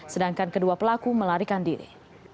sedangkan kedua pelaku melarikan diri